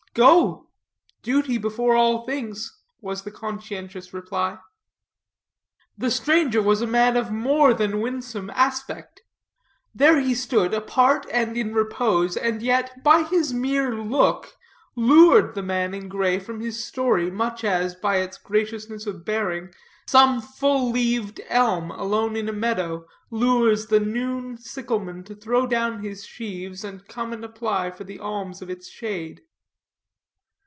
"Go: duty before all things," was the conscientious reply. The stranger was a man of more than winsome aspect. There he stood apart and in repose, and yet, by his mere look, lured the man in gray from his story, much as, by its graciousness of bearing, some full leaved elm, alone in a meadow, lures the noon sickleman to throw down his sheaves, and come and apply for the alms of its shade.